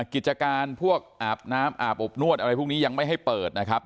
กิจการพวกอาบน้ำอาบอบนวดอะไรพวกนี้ยังไม่ให้เปิดนะครับ